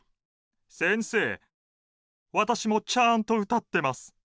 先生わたしもちゃんと歌ってます。